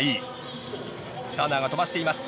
ターナーが飛ばしています。